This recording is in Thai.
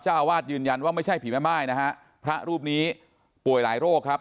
เจ้าอาวาสยืนยันว่าไม่ใช่ผีแม่ม่ายนะฮะพระรูปนี้ป่วยหลายโรคครับ